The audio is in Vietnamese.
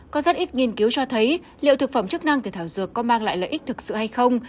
có rất ít nghiên cứu cho thấy liệu thực phẩm chức năng từ thảo dược có mang lại lợi ích thực sự hay không